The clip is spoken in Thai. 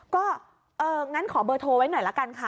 ก็เอองั้นขอเบอร์โทรไว้หน่อยละกันค่ะ